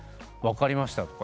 「分かりました」